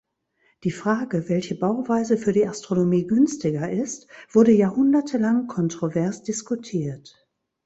Die Frage, welche Bauweise für die Astronomie günstiger ist, wurde jahrhundertelang kontrovers diskutiert.